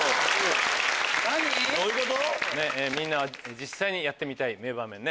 実際にやってみたい名場面ね。